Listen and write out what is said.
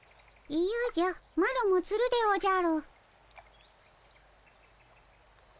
いやじゃマロもつるでおじゃる。